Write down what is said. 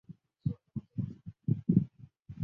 庆封临死讽刺了楚灵王。